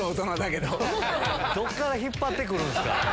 どっから引っ張ってくるんですか。